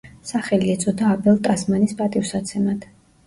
სახელი ეწოდა აბელ ტასმანის პატივსაცემად.